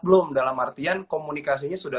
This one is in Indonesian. belum dalam artian komunikasinya sudah